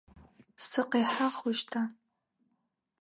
Сыкъихьэ хъущта?